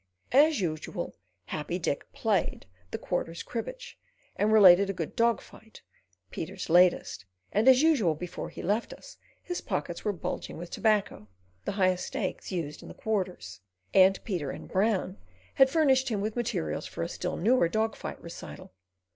As usual, Happy Dick "played" the Quarters cribbage and related a good dog fight—"Peter's latest "—and, as usual before he left us, his pockets were bulging with tobacco—the highest stakes used in the Quarters—and Peter and Brown had furnished him with materials for a still newer dog fight recital.